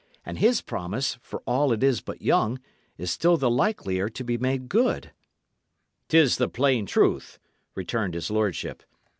"And his promise, for all it is but young, is still the likelier to be made good." "'Tis the plain truth," returned his lordship.